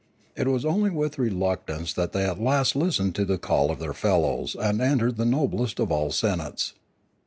It was only with reluctance that they at last listened to the call of their fellows and entered the noblest of all senates.